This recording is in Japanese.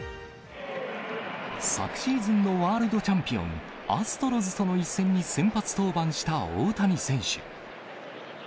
昨シーズンのワールドチャンピオン、アストロズとの一戦に先発登板した大谷選手。